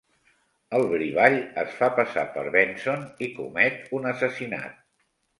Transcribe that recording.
El brivall es fa passar per Benson i comet un assassinat.